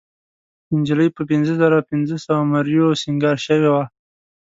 نجلۍ په پينځهزرهپینځهسوو مریو سینګار شوې وه.